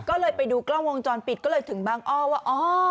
ก็เลยไปดูกล้องวงจรปิดก็เลยถึงบางอ้อว่าอ๋อ